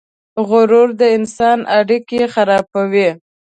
غرور د انسان اړیکې خرابوي.